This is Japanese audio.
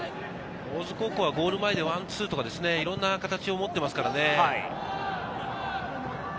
大津高校はゴール前でワンツーとか、いろんな形を持っていますからね。